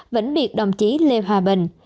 vĩnh biệt đồng chí lê hòa bình